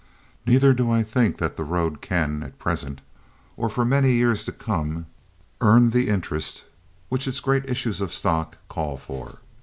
Neither do I think that the road can at present, or for many years to come, earn the interest which its great issues of stock call for.